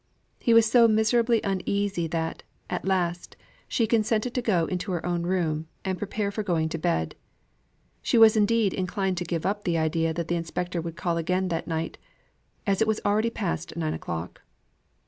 He was so miserably uneasy that, at last, she consented to go into her own room, and prepare for going to bed. She was indeed inclined to give up the idea that the inspector would call again that night, as it was already past nine o'clock.